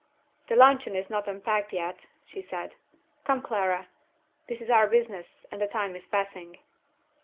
"The luncheon is not unpacked yet," she said. "Come, Clara! this is our business, and the time is passing."